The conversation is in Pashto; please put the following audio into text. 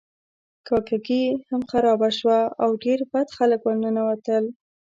کاکه ګي هم خرابه شوه او ډیر بد خلک ورننوتل.